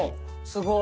すごい。